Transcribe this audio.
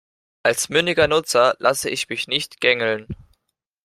Als mündiger Nutzer lasse ich mich nicht gängeln.